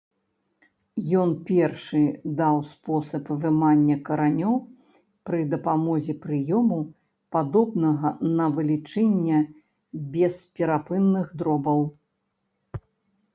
Ён першы даў спосаб вымання каранёў пры дапамозе прыёму, падобнага на вылічэнне бесперапынных дробаў.